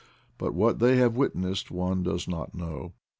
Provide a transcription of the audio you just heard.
But what they have witnessed one does not know.